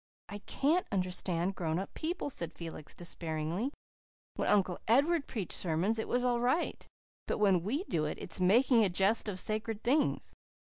"I CAN'T understand grown up people," said Felix despairingly. "When Uncle Edward preached sermons it was all right, but when we do it it is 'making a jest of sacred things.